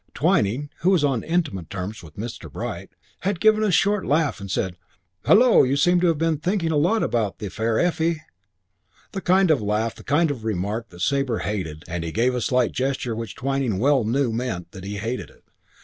Twyning, who was on intimate terms with Mr. Bright, had given a short laugh and said, "Hullo, you seem to have been thinking a lot about the fair Effie!" The kind of laugh and the kind of remark that Sabre hated and he gave a slight gesture which Twyning well knew meant that he hated it.